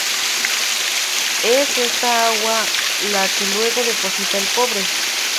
Es esta agua la que luego deposita el cobre.